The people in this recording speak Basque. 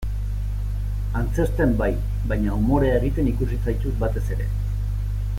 Antzezten bai, baina umorea egiten ikusi zaitut batez ere.